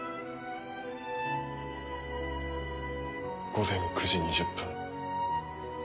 午前９時２０分。